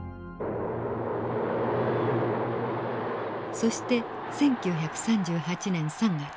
そして１９３８年３月。